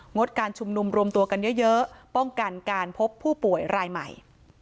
ดการชุมนุมรวมตัวกันเยอะป้องกันการพบผู้ป่วยรายใหม่